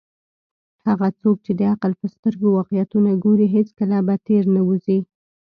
هغه څوک چې د عقل په سترګو واقعیتونه ګوري، هیڅکله به تیر نه وزي.